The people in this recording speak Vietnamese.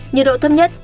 nhiệt độ thâm nhất